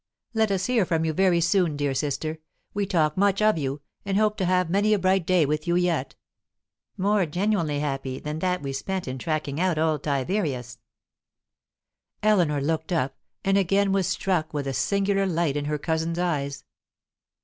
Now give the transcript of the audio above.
Let us hear from you very soon, dear sister. We talk much of you, and hope to have many a bright day with you yet more genuinely happy than that we spent in tracking out old Tiberius." Eleanor looked up, and again was struck with the singular light in her cousin's eyes.